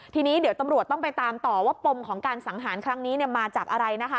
ทีนี้เดี๋ยวตำรวจต้องไปตามต่อว่าปมของการสังหารครั้งนี้มาจากอะไรนะคะ